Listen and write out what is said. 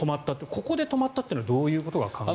ここで止まったというのはどういうことが考えられる？